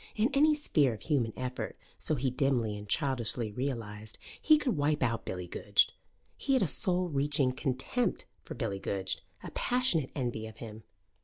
In any sphere of human effort, so he dimly and childishly realized, he could wipe out Billy Goodge. He had a soul reaching contempt for Billy Goodge, a passionate envy of him.